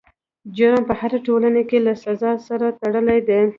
جرم په هره ټولنه کې له جزا سره تړلی دی.